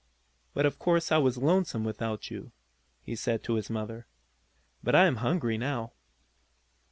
But of course I was lonesome without you," he said to his mother. "But I am hungry now."